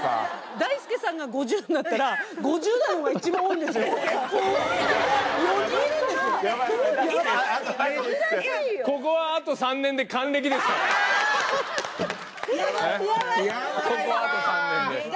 大輔さんが５０になったら、５０代が一番多いんですよ。